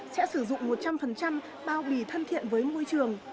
sẽ sử dụng một trăm linh bao bì thân thiện với môi trường